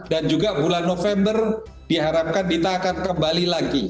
dan juga bulan november diharapkan dita akan kembali lagi